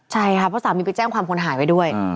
ใช่ค่ะเพราะสามีไปแจ้งความคนหายไว้ด้วย